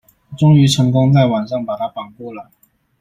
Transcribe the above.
終於成功在晚上把他綁過來